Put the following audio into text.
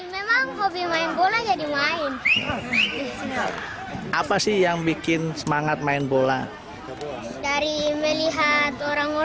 peduli dengan olahraga kita bisa mencoba ikut